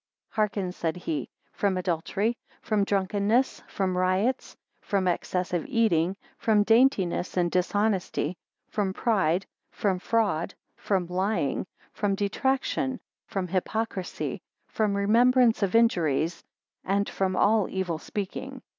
Hearken, said he; from adultery, from drunkenness, from riots, from excess of eating, from daintiness and dishonesty, from pride, from fraud, from lying, from detraction, from hypocrisy, from remembrance of injuries, and from all evil speaking.